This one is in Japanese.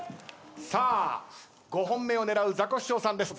さあ５本目を狙うザコシショウさんです。